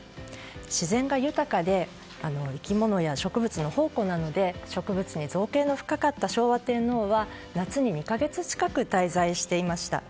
自然が豊かで生き物や植物の宝庫なので植物にぞうけいの深かった昭和天皇は夏に２か月近く滞在していました。